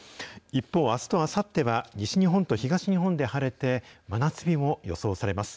一方、あすとあさっては、西日本と東日本で晴れて、真夏日も予想されます。